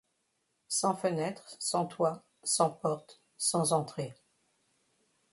Sans fenêtre, sans toit, sans porte, sans entrée